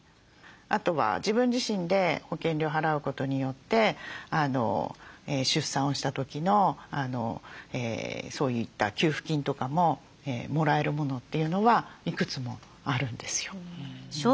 あとは自分自身で保険料払うことによって出産をした時のそういった給付金とかももらえるものというのはいくつもあるんですよ。